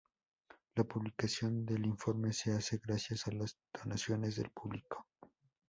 La publicación del informe se hace gracias a las donaciones del público.